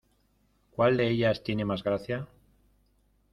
¿Cuál de ellas tiene más gracia?